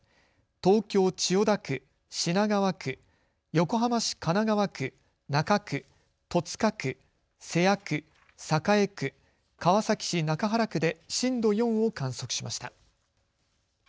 東京千代田区、品川区、横浜市神奈川区、中区、戸塚区、瀬谷区、栄区、川崎市中原区で震度４を観測しました。